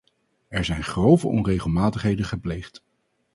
Er zijn grove onregelmatigheden gepleegd.